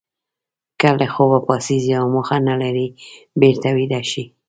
که له خوبه پاڅېږئ او موخه نه لرئ بېرته ویده شئ.